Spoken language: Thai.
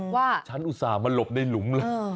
ว่าฉันอุตส่าห์มาหลบในหลุมเลย